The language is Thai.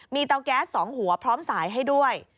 มีเตาแก๊ส๒หัวพร้อมสายให้ด้วย